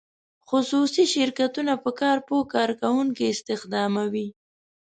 خصوصي شرکتونه په کار پوه کارکوونکي استخداموي.